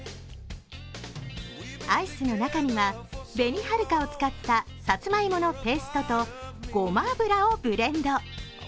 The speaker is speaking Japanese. アイスの中には紅はるかを使ったさつまいものペーストとごま油をブレンド。